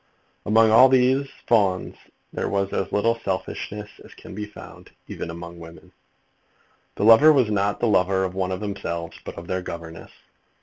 Among all these Fawns there was as little selfishness as can be found, even among women. The lover was not the lover of one of themselves, but of their governess.